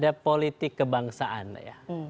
jadi politik yang memang menginginkan kebangsaan